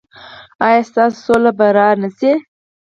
ایا ستاسو سوله به را نه شي؟